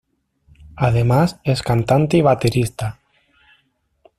Además es cantante y baterista.